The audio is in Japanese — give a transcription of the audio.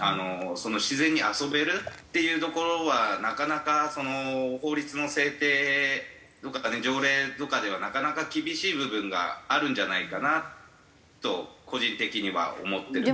自然に遊べるっていうところはなかなか法律の制定とか条例とかではなかなか厳しい部分があるんじゃないかなと個人的には思ってる部分は。